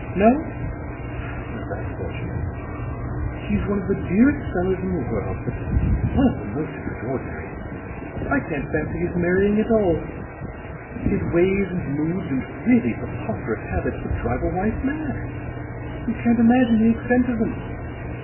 No? Well, that's fortunate. He's one of the dearest fellows in the world, but one of the most extraordinary. I can't fancy his marrying at all. His ways and moods and really preposterous habits would drive a wife mad. You can't imagine the extent of them.